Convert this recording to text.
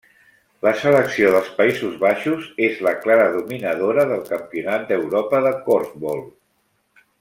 La selecció dels Països Baixos és la clara dominadora del Campionat d'Europa de corfbol.